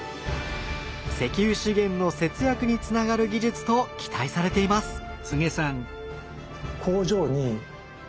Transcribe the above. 石油資源の節約につながる技術と期待されています。